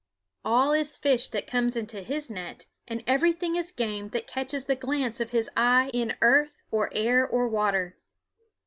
All is fish that comes into his net, and everything is game that catches the glance of his eye in earth or air or water.